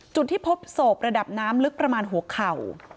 จุดที่พบศพระดับน้ำลึกประมาณหัวเข่า